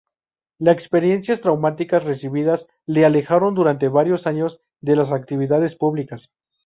La experiencias traumáticas recibidas le alejaron durante varios años de las actividades públicas.